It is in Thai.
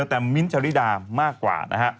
แต่มิ้นท์ชริดามากกว่า